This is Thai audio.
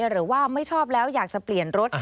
หรือว่าไม่ชอบแล้วอยากจะเปลี่ยนรถ